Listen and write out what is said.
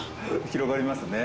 広がりますね。